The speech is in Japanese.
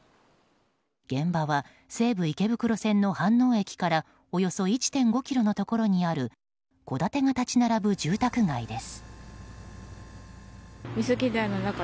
現場は西武池袋線の飯能駅からおよそ１．５ｋｍのところにある戸建てが立ち並ぶ住宅街です。